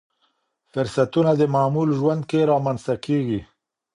فرصتونه د معمول ژوند کې رامنځته کېږي.